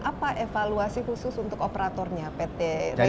apa evaluasi khusus untuk operatornya pt rilip dalam hal ini